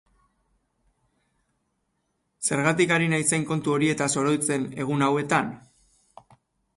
Zergatik ari naizen kontu horietaz oroitzen egun hauetan?